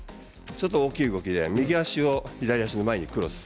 大きな動きで右足を左足の前にクロス。